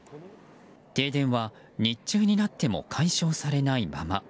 停電は日中になっても解消されないまま。